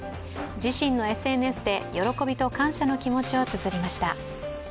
自身のＳＮＳで、喜びと感謝の気持ちをつづりました。